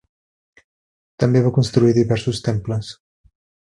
També va construir diversos temples.